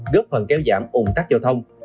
góp phần kéo giảm ủng tắc giao thông